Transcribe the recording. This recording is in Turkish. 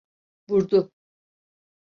Vurdu!